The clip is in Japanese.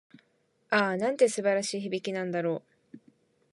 ああ、なんて素晴らしい響きなんだろう。